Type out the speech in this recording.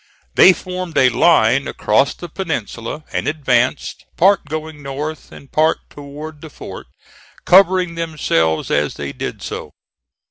They formed a line across the peninsula and advanced, part going north and part toward the fort, covering themselves as they did so.